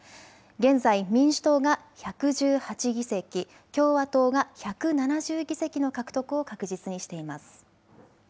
現在、民主党が１１８議席、共和党が１７０議席の獲得を確実にしています。